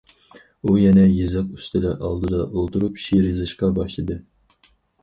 ئۇ يەنە يېزىق ئۈستىلى ئالدىدا ئولتۇرۇپ شېئىر يېزىشقا باشلىدى.